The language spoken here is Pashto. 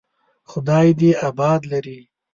خدای دې آباد لري.